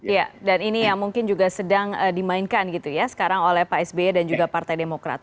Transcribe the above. iya dan ini yang mungkin juga sedang dimainkan gitu ya sekarang oleh pak sby dan juga partai demokrat